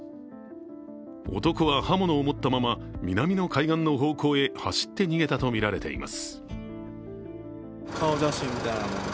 男は刃物を持ったまま南の海岸の方向へ走って逃げたとみられています。